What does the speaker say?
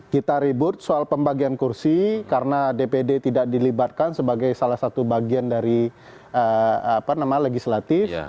kita ribut soal pembagian kursi karena dpd tidak dilibatkan sebagai salah satu bagian dari legislatif